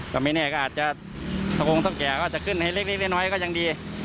ก็ไม่แน่ก็อาจจะสกงเท่าแก่ก็จะขึ้นให้เล็กน้อยก็ยังดี